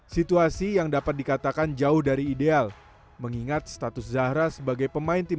situasi yang dapat dikatakan jauh dari ideal mengingat status zahra sebagai pemain tim